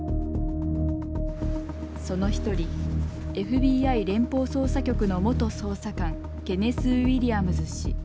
その一人ＦＢＩ連邦捜査局の元捜査官ケネス・ウィリアムズ氏。